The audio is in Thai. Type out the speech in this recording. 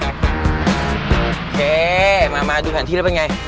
โอเคมาดูทางที่แล้วเป็นอย่างไร